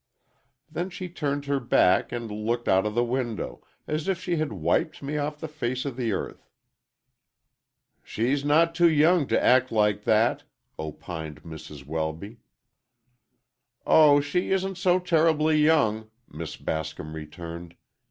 Then she turned her back and looked out of the window, as if she had wiped me off the face of the earth!" "She's too young to act like that," opined Mrs. Welby. "Oh, she isn't so terribly young," Miss Bascom returned.